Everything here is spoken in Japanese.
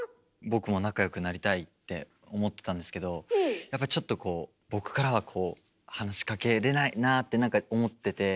僕も仲よくなりたいって思ってたんですけどやっぱちょっとこう僕からはこう話しかけれないなあってなんか思ってて。